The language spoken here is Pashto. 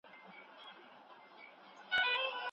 د غوجل او د ګورم د څښتنانو